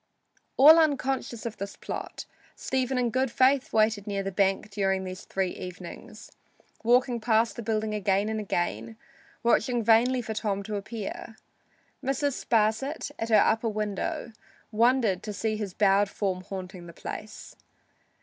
All unconscious of this plot, Stephen in good faith waited near the bank during three evenings, walking past the building again and again, watching vainly for Tom to appear. Mrs. Sparsit, at her upper window, wondered to see his bowed form haunting the place.